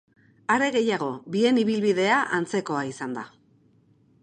Are gehiago, bien ibilbidea antzekoa izan da.